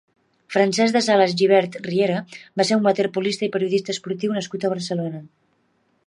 Francesc de Sales Gibert Riera va ser un waterpolista i periodista esportiu nascut a Barcelona.